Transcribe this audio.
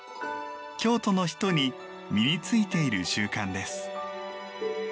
京都の人に身についている習慣です。